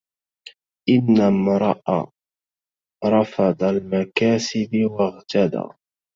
إن امرأ رفض المكاسب واغتدى